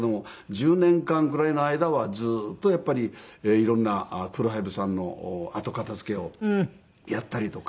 １０年間ぐらいの間はずーっとやっぱり色んなクール・ファイブさんの後片付けをやったりとか。